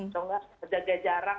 soalnya jaga jarak